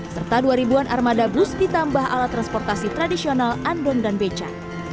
serta dua ribu an armada bus ditambah alat transportasi tradisional andon dan beca